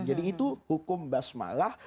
jadi itu hukum basmalah